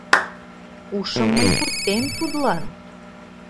Ушым мый пуртем тудлан!